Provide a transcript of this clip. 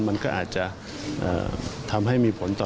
มันก็อาจจะทำให้มีผลต่อ